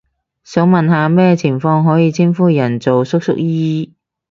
想問下咩情況可以稱呼人做叔叔姨姨？